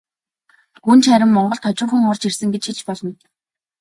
Гүнж харин монголд хожуухан орж ирсэн гэж хэлж болно.